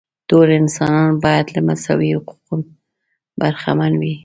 ټول انسانان باید له مساوي حقوقو برخمن وي.